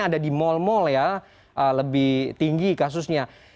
ada di mal mal ya lebih tinggi kasusnya